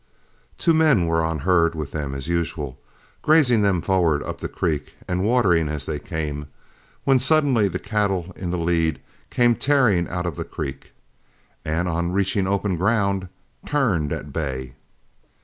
Two men were on herd with them as usual, grazing them forward up the creek and watering as they came, when suddenly the cattle in the lead came tearing out of the creek, and on reaching open ground turned at bay.